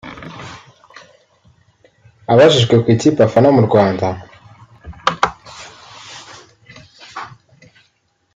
Abajijwe ku kipe afana mu Rwanda